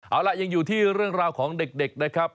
เอาล่ะยังอยู่ที่เรื่องราวของเด็กนะครับ